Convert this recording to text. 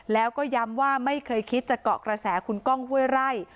แล้วก็ย้ำว่าไม่เคยคิดจะเกาะกระแสคุณก้องห้วยไร่